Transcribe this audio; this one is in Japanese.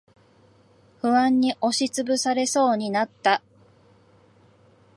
不安に押しつぶされそうになった。